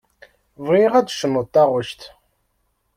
Bɣiɣ ad d-tecnuḍ taɣect.